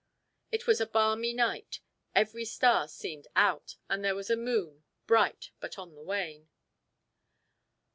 It was a balmy night. Every star seemed out, and there was a moon, bright, but on the wane.